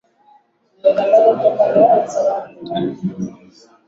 akionya kutokea kwa maafa ya nuklia ikiwa uhasama utazidi